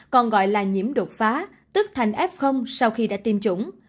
còn gọi là nhiễm đột phá tức thành f sau khi đã tiêm chủng